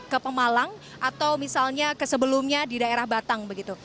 ke pemalang atau misalnya ke sebelumnya di daerah batang begitu